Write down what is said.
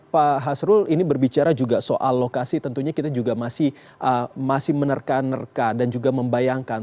pak hasrul ini berbicara juga soal lokasi tentunya kita juga masih menerka nerka dan juga membayangkan